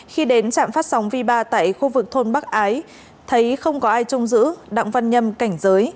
khi đến trạm phát sóng v ba tại khu vực thôn bắc ái thấy không có ai trông giữ đặng văn nhâm cảnh giới